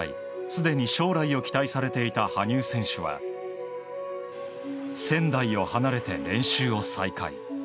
すでに将来を期待されていた羽生選手は仙台を離れて練習を再開。